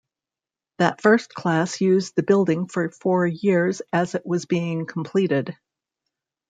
That first class used the building for four years as it was being completed.